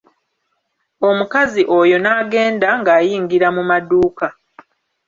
Omukazi oyo n'agenda ng'ayingira mu maduuka.